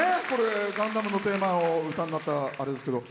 「ガンダム」のテーマを歌になったあれですけど。